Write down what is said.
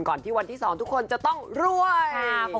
ที่วันที่๒ทุกคนจะต้องรวย